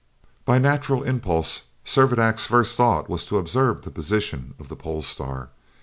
By a natural impulse, Servadac's first thought was to observe the position of the pole star.